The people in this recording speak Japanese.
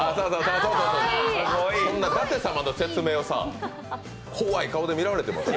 そんな舘様の説明をさ怖い顔で見られても。